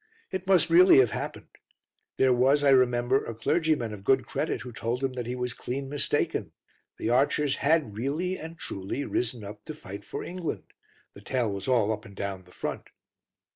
It must really have happened. There was, I remember, a clergyman of good credit who told him that he was clean mistaken; the archers had really and truly risen up to fight for England: the tale was all up and down the front.